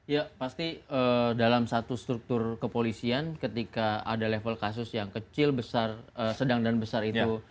ya pasti dalam satu struktur kepolisian ketika ada level kasus yang kecil besar sedang dan besar itu